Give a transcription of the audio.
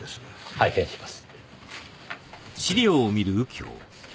拝見します。